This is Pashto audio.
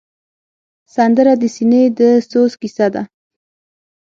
سندره د سینې د سوز کیسه ده